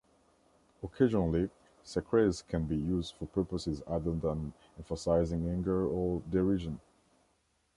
Occasionally, "sacres" can be used for purposes other than emphasizing anger or derision.